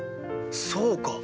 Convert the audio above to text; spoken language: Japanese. そうか！